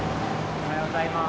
おはようございます。